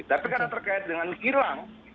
tapi karena terkait dengan kilang